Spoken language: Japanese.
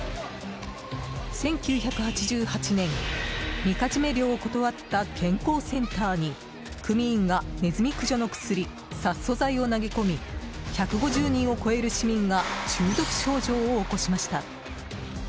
１９８８年、みかじめ料を断った健康センターに組員がネズミ駆除の薬殺そ剤を投げ込み１５０人を超える市民が中毒症状を起こしました。